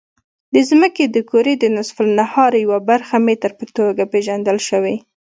د ځمکې د کرې د نصف النهار یوه برخه متر په توګه پېژندل شوې.